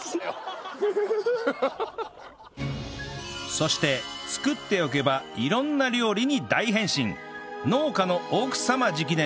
そして作っておけば色んな料理に大変身農家の奥様直伝